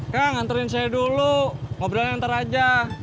kak nganterin saya dulu ngobrolnya ngantar aja